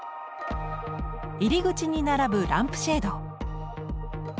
入り口に並ぶランプシェード。